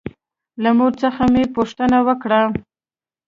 له مور څخه مې پوښتنه وکړه.